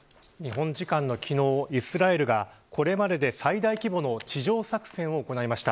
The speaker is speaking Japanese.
日本時間の昨日、イスラエルがこれまでで最大規模の地上作戦を行いました。